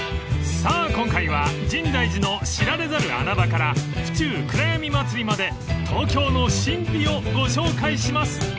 ［さあ今回は深大寺の知られざる穴場から府中くらやみ祭まで東京の神秘をご紹介します］